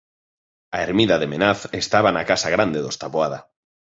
A ermida de Menaz estaba na casa grande dos Taboada.